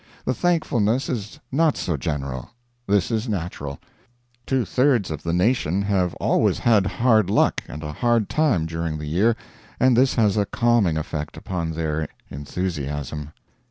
The Thankfulness is not so general. This is natural. Two thirds of the nation have always had hard luck and a hard time during the year, and this has a calming effect upon their enthusiasm.